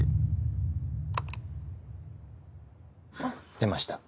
出ました。